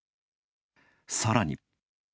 さらに。